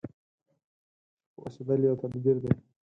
چوپ اوسېدل يو تدبير دی.